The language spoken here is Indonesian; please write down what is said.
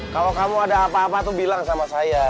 kalau kamu ada apa apa tuh bilang sama saya